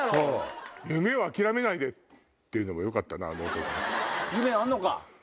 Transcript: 「夢を諦めないで」っていうのがよかったなあの子の。